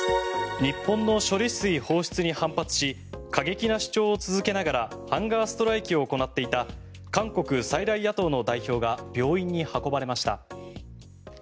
日本の処理水放出に反発し過激な主張を続けながらハンガーストライキを行っていた韓国最大野党の代表が病院に運ばれました。